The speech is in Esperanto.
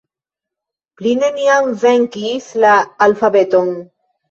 Li neniam venkis la alfabeton.